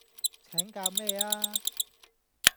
請教咩吖